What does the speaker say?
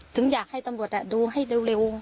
ถึงอยากให้ตำรวจดูให้เร็ว